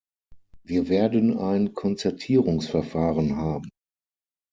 Wir werden ein Konzertierungsverfahren haben.